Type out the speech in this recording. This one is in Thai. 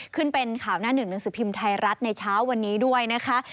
ขึ้นเป็นข่าวหน้าหนึ่งหนังสือพิมพ์ไทยรัฐในเช้าวันนี้ด้วยนะคะ